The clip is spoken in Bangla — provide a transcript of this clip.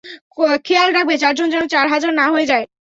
খেয়াল রাখবে চারজন যেন চার হাজার না হয়ে যায়।